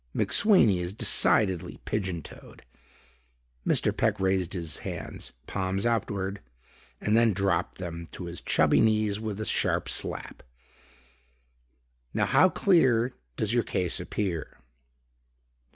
McSweeney is decidedly pigeon toed." Mr. Peck raised his hands, palms upward, and then dropped them to his chubby knees with a sharp slap. "Now how clear does your case appear?"